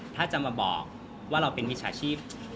ถ้าจะมาบอกว่าเราเป็นมิจฉาชีพ